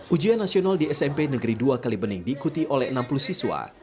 ujian nasional di smp negeri dua kalibening diikuti oleh enam puluh siswa